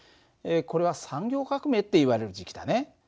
これは産業革命っていわれる時期だね。